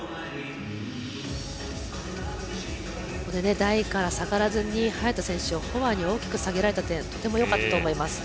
台から下がらずに早田選手をフォアに大きく下げられた点とてもよかったと思います。